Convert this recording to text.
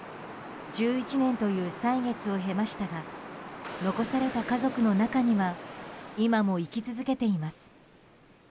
１１年という歳月を経ましたが残された家族の中には今も生き続けています。